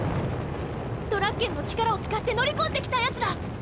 ドラッケンの力を使って乗り込んできたヤツら！